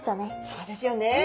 そうですよね。